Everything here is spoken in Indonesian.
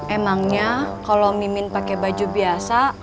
emangnya kalau mimin pakai baju biasa